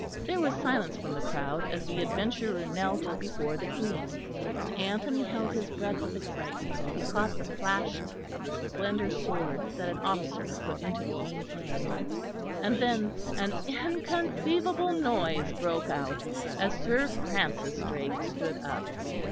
There was silence from the crowd as the adventurer knelt before the Queen, and Anthony held his breath with excitement as he caught the flash of the slender sword that an officer had put into the Queen's hand; and then an inconceivable noise broke out as Sir Francis Drake stood up.